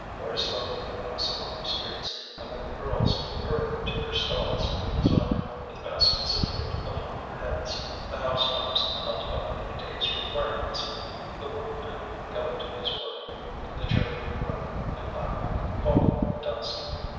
Very slowly they pass along the streets, amid the girls hurrying to their stalls in the bazaar with baskets of fruit upon their heads, the housewives out to buy their day's requirements, the workman going to his work, the children running and laughing and falling in the dust.